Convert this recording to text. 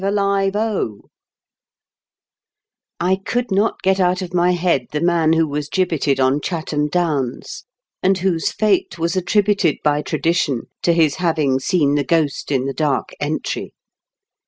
alive, oh !" I could not get out of my head the man who was gibbeted on Chatham Downs, and whose fate was attributed by tradition to his having seen the ghost in the Dark Entry.